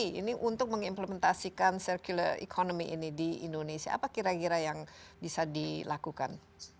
bagaimana cara anda mempermasukan circular economy ini di indonesia apa kira kira yang bisa dilakukan